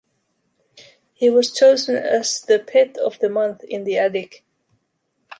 He was chosen as the pet of the month in the attic.